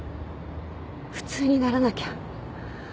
普通にならなきゃ。